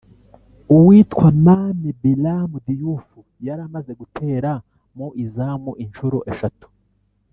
uwitwa Mame Bilam Diouf yari amaze gutera mu izamu inshuro eshatu